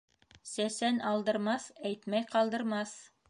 Сәсән алдырмаҫ, әйтмәй ҡалдырмаҫ.